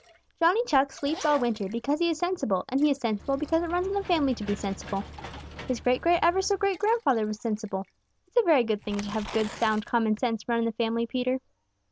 Johnny Chuck sleeps all winter because he is sensible, and he is sensible because it runs in the family to be sensible. His great great ever so great grandfather was sensible. It's a very good thing to have good sound common sense run in the family, Peter."